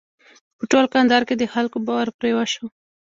په ټول کندهار کې د خلکو باور پرې وشو.